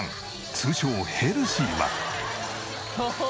通称ヘルシーは。